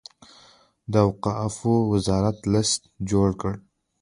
د اوقافو وزارت لست جوړ کړي.